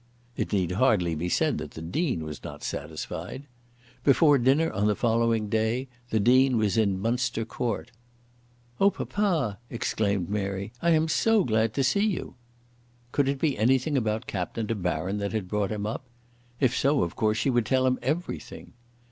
It need hardly be said that the Dean was not satisfied. Before dinner on the following day the Dean was in Minister Court. "Oh, papa," exclaimed Mary, "I am so glad to see you." Could it be anything about Captain De Baron that had brought him up? If so, of course she would tell him everything.